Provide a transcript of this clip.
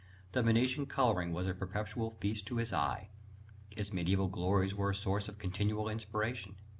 The Venetian colouring was a perpetual feast to his eye: its mediæval glories were a source of continual inspiration.